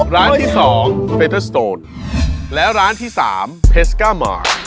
ร้านที่๒เฟเตอร์โสต์แล้วร้านที่๓เพสก้าหม่อ